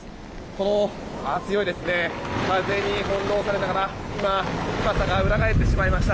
この風に翻弄されながら今、傘が裏返ってしまいました。